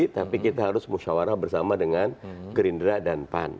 tapi kita harus musyawarah bersama dengan gerindra dan pan